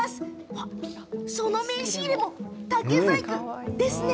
あ、その名刺入れも竹細工ですね？